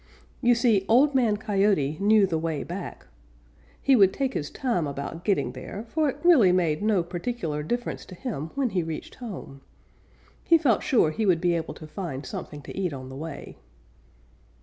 You see, Old Man Coyote knew the way back. He would take his time about getting there, for it really made no particular difference to him when he reached home. He felt sure he would be able to find something to eat on the way.